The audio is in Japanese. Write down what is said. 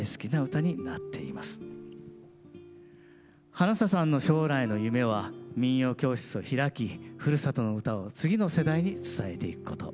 花房さんの将来の夢は民謡教室を開きふるさとの唄を次の世代に伝えていくこと。